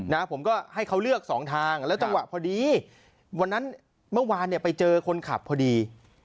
นะผมก็ให้เขาเลือกสองทางแล้วจังหวะพอดีวันนั้นเมื่อวานเนี่ยไปเจอคนขับพอดี